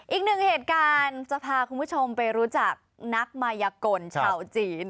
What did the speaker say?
อีกหนึ่งเหตุการณ์จะพาคุณผู้ชมไปรู้จักนักมายกลชาวจีน